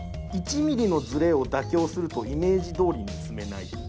１ミリのズレを妥協するとイメージどおりに積めない。